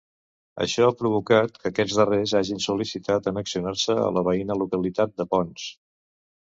Això ha provocat que aquests darrers hagin sol·licitat annexionar-se a la veïna localitat de Ponts.